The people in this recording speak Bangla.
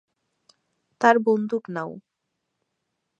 তার বন্দুক নাও।